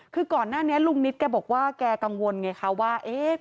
คือก่อนหน้านี้ลุงนิดแกบอกว่าแกกังวลไงคะว่า